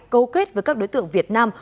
câu kết với các đối tượng việt nam